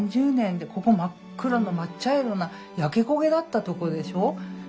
３０年でここ真っ黒の真っ茶色な焼け焦げだったとこでしょう。